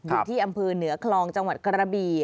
อยู่ที่อำเภอเหนือคลองจังหวัดกระบี่